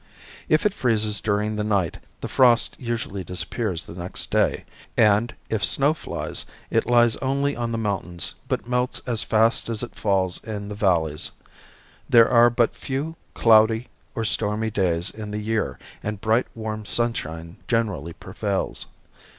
If it freezes during the night the frost usually disappears the next day; and, if snow flies, it lies only on the mountains, but melts as fast as it falls in the valleys. There are but few cloudy or stormy days in the year and bright, warm sunshine generally prevails.